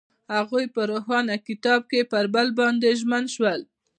هغوی په روښانه کتاب کې پر بل باندې ژمن شول.